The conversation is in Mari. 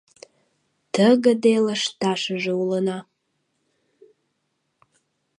Тыгыде лышташыже улына.